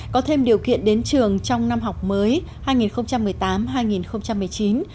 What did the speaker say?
có thêm điều kiện đến trường trong năm học mới hai nghìn một mươi tám hai nghìn một mươi chín